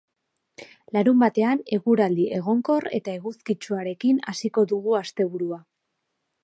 Larunbatean, eguraldi egonkor eta eguzkitsuarekin hasiko dugu asteburua.